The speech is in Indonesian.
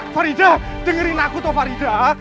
faridah dengerin aku toh faridah